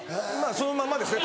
そのままですね